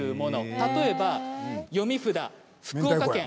例えば読み札、福岡県。